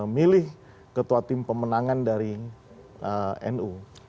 milih ketua tim pemenangan dari nu